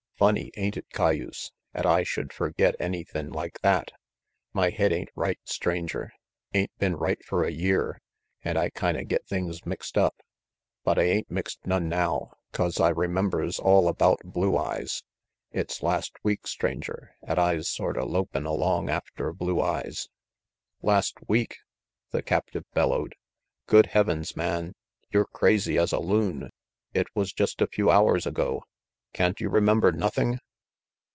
Funny, ain't it, cayuse, 'at I should ferget anythin' like that? My head ain't right, Stranger, ain't been right fer a year, an' I kinda get things mixed up. But I ain't mixed none now, 'cause I remembers all about Blue Eyes. It's last week, Stranger,' at I's sorta lopin' along after Blue Eyes "Last week?" the captive bellowed. "Good heavens, man, you're crazy as a loon! It was just a few hours ago. Can't you remember nothing?"